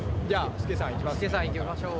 スケさん行きましょう。